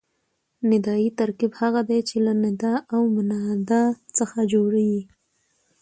ندایي ترکیب هغه دئ، چي له ندا او منادا څخه جوړ يي.